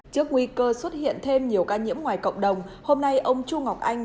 trước nguy cơ xuất hiện thêm nhiều ca nhiễm ngoài cộng đồng hôm nay ông chu ngọc anh